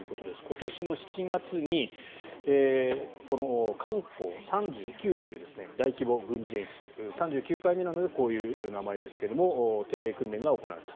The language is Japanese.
今年の７月に漢光３９という大規模軍事演習３９回目なのでこういう名前ですが定例訓練が行われた。